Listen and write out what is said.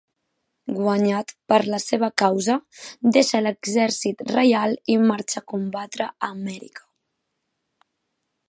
Guanyat per la seva causa, deixa l'exèrcit reial i marxa a combatre a Amèrica.